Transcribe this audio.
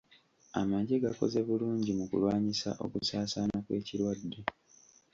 Amagye gakoze bulungi mu kulwanyisa okusaasaana kw'ekirwadde.